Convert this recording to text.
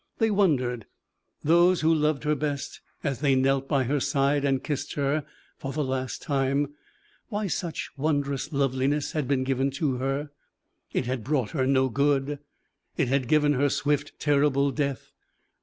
They wondered those who loved her best, as they knelt by her side and kissed her for the last time why such wondrous loveliness had been given to her; it had brought her no good it had given her swift, terrible death.